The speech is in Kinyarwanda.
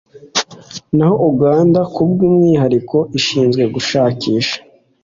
naho Uganda kubw’umwihariko ishinzwe gushakisha